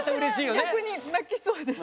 私が逆に泣きそうです。